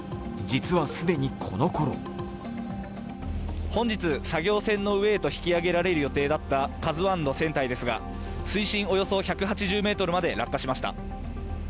実は既にこのころ本日作業船の上へと引き揚げられる予定だった「ＫＡＺＵⅠ」の船体ですが水深およそ１８０ｍまで落下しました。